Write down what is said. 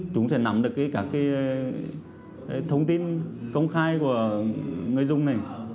chúng sẽ nắm được các thông tin công khai của người dùng này